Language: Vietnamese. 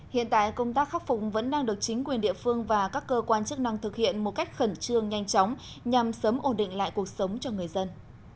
hiện tại công tác khắc phục vẫn đang được chính quyền địa phương và các cơ quan chức năng thực hiện một cách khẩn trương nhanh chóng nhằm sớm ổn định lại cuộc sống cho người dân